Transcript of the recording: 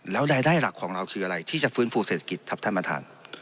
แล้วรายได้หลักของเราคืออะไรที่จะฟื้นฟูเศรษฐกิจครับท่านประธาน